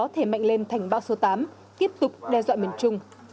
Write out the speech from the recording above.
thành bão số tám tiếp tục đe dọa miền trung